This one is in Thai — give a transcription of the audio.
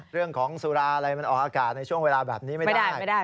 สุราอะไรมันออกอากาศในช่วงเวลาแบบนี้ไม่ได้